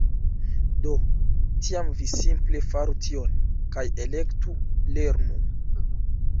Do, tiam vi simple faru tion! kaj elektu "lernu"